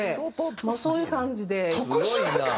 まあそういう感じで。